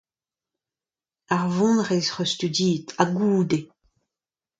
Ar vonreizh 'c'h eus studiet, ha goude ?